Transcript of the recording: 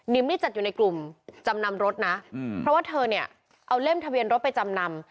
นี่จัดอยู่ในกลุ่มจำนำรถนะเพราะว่าเธอเนี่ยเอาเล่มทะเบียนรถไปจำนำ